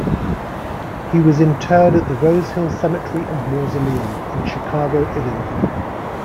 He was interred at the Rosehill Cemetery and Mausoleum in Chicago, Illinois.